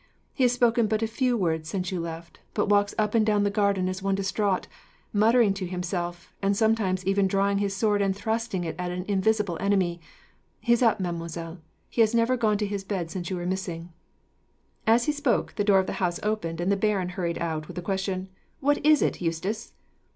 He has spoken but a few words, since you left, but walks up and down the garden as one distraught, muttering to himself, and sometimes even drawing his sword and thrusting it at an invisible enemy. He is up, mademoiselle. He has never gone to his bed since you were missing." As he spoke, the door of the house opened, and the baron hurried out, with the question, "What is it, Eustace?"